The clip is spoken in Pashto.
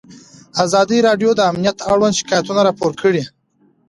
ازادي راډیو د امنیت اړوند شکایتونه راپور کړي.